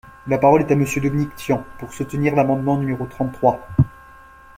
La parole est à Monsieur Dominique Tian, pour soutenir l’amendement numéro trente-trois.